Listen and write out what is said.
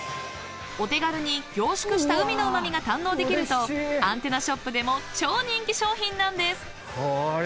［お手軽に凝縮した海のうま味が堪能できるとアンテナショップでも超人気商品なんです］